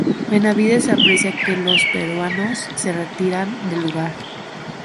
Benavides aprecia que los peruanos se retiran del lugar.